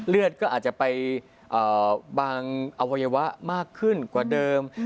เลือดก็อาจจะไปบางอวัยวะมากขึ้นกว่าเดิม